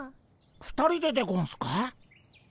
２人ででゴンスか？